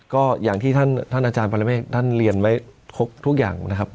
ก็อย่างที่ท่านอาจารย์ปรเมฆท่านเรียนไว้ครบทุกอย่างนะครับ